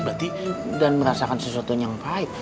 berarti dan merasakan sesuatu yang pahit